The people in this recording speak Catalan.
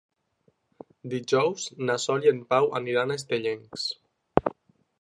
Dijous na Sol i en Pau aniran a Estellencs.